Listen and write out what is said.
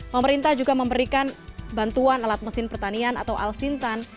pemerintah juga memberikan bantuan alat mesin pertanian atau alsintan